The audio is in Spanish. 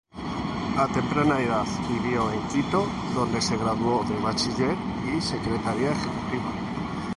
A temprana edad vivió en Quito donde se graduó de Bachiller y Secretaria Ejecutiva.